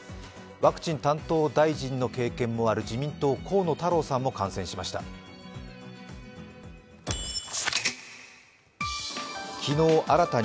ワクチン担当大臣の経験もある自民党・河野太郎さんも感染しました。